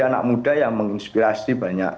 anak muda yang menginspirasi banyak